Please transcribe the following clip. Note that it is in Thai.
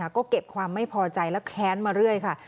ก็เก็บความไม่พอใจและแค้นมาเรื่อยค่ะ